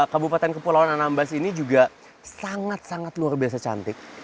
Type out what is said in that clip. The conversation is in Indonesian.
kabupaten kepulauan anambas ini juga sangat sangat luar biasa cantik